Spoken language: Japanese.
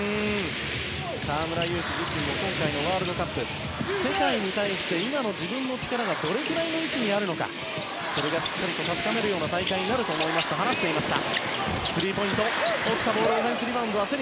河村勇輝自身も今回のワールドカップ世界に対して今の自分の力がどれくらいの位置にあるのかそれをしっかり確かめるような大会になると思いますと話していました。